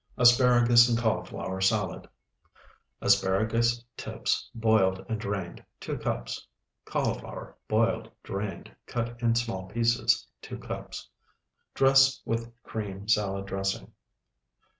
ASPARAGUS AND CAULIFLOWER SALAD Asparagus tips, boiled and drained, 2 cups. Cauliflower, boiled, drained, cut in small pieces, 2 cups. Dress with cream salad dressing.